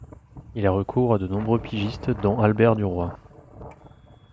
Il a recours à de nombreux pigistes, dont Albert du Roy.